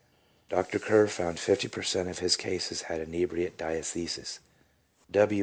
Dr. Kerr found 50 per cent, of his cases had inebriate diathesis. W.